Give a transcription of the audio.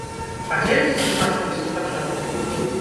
Падзеліцеся з нашымі слухачамі?